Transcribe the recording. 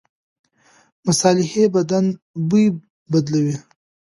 مصالحې بدن بوی بدلوي.